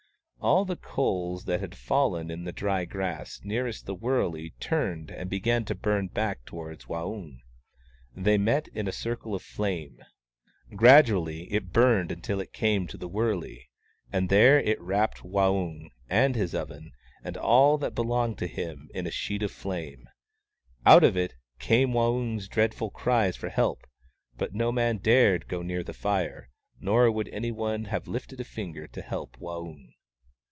All the coals that had fallen in the dry grass nearest the wurley turned and began to burn back towards Waung. They met in a circle of flame. Gradually it burned until it came to the wurley, and there it wrapped Waung, and his oven, and all that belonged to him, in a sheet of flame. Out of it came Waung 's dreadful cries for help ; but no man dared go near the fire, nor would anyone have lifted a finger to help Waung.